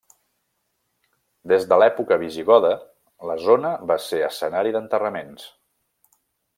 Des de l'època visigoda, la zona va ser escenari d'enterraments.